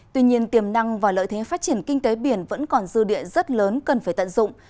tuy nhiên tiềm năng và lợi thế phát triển kinh tế biển vẫn còn dư địa rất lớn cần phải tận dụng